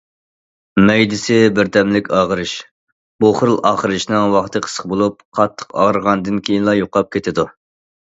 مەيدىسى بىردەملىك ئاغرىش: بۇ خىل ئاغرىشنىڭ ۋاقتى قىسقا بولۇپ، قاتتىق ئاغرىغاندىن كېيىنلا يوقاپ كېتىدۇ.